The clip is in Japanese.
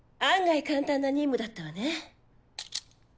案外簡単な任務だったわね。